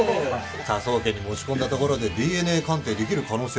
科捜研に持ち込んだところでＤＮＡ鑑定できる可能性は低いですからね。